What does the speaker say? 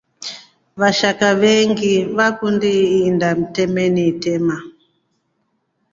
Vashaka venyengi vakundi iinda mtemi itema.